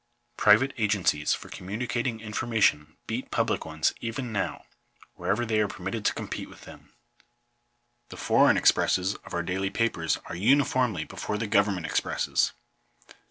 Private agencies for communicating information beat public ones even now, wherever they are permitted to compete with them. The foreign expresses of our daily papers are uniformly before the government expresses.